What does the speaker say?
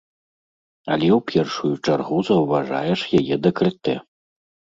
Але ў першую чаргу заўважаеш яе дэкальтэ.